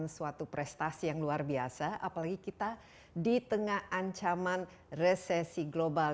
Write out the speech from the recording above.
suatu prestasi yang luar biasa apalagi kita di tengah ancaman resesi global